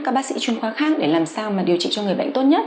các bác sĩ chuyên khoa khác để làm sao mà điều trị cho người bệnh tốt nhất